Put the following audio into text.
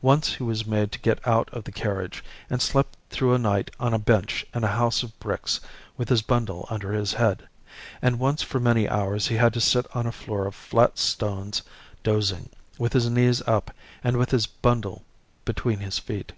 Once he was made to get out of the carriage, and slept through a night on a bench in a house of bricks with his bundle under his head; and once for many hours he had to sit on a floor of flat stones dozing, with his knees up and with his bundle between his feet.